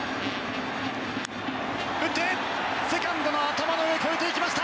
打って、セカンドの頭の上、越えていきました。